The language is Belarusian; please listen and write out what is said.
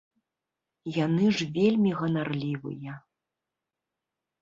Яны ж вельмі ганарлівыя.